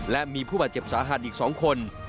และมีผู้บาดเจ็บสาหัสอีก๒คน